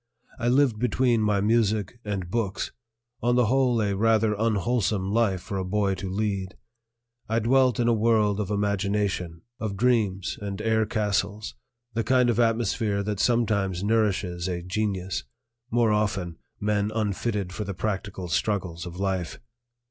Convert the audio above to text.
I lived between my music and books, on the whole a rather unwholesome life for a boy to lead. I dwelt in a world of imagination, of dreams and air castles the kind of atmosphere that sometimes nourishes a genius, more often men unfitted for the practical struggles of life.